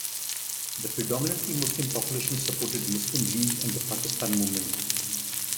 The predominantly Muslim population supported Muslim League and the Pakistan Movement.